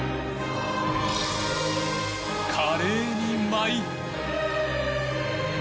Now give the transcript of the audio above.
華麗に舞い。